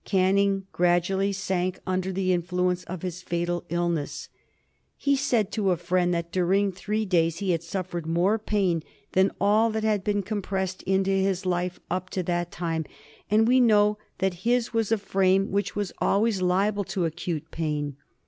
Canning gradually sank under the influence of his fatal illness. He said to a friend that during three days he had suffered more pain than all that had been compressed into his life up to that time, and we know that his was a frame which was always liable to acute pain.